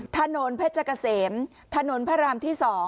ถนนเพชรเกษมถนนพระรามที่๒